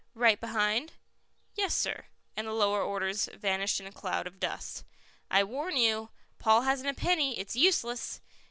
"Right behind?" "Yes, sir." And the lower orders vanished in a cloud of dust. "I warn you: Paul hasn't a penny; it's useless."